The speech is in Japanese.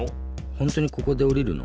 ほんとにここでおりるの？